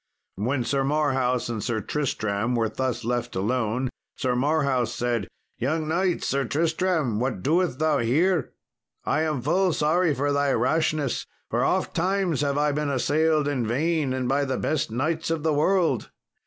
When Sir Marhaus and Sir Tristram were thus left alone, Sir Marhaus said, "Young knight Sir Tristram what doest thou here? I am full sorry for thy rashness, for ofttimes have I been assailed in vain, and by the best knights of the world.